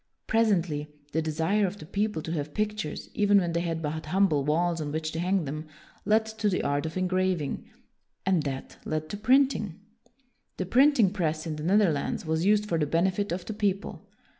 Pres ently, the desire of the people to have pictures, even when they had but humble walls on which to hang them, led to the art of engraving; and that led to printing. 176 WILLIAM THE SILENT The printing press in the Netherlands was used for the benefit of the people.